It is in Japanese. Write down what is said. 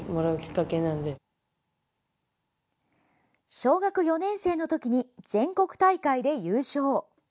小学４年生のときに全国大会で優勝。